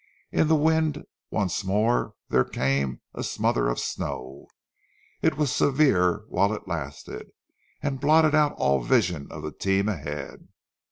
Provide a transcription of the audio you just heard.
In the wind once more there came a smother of snow. It was severe whilst it lasted, and blotted out all vision of the team ahead.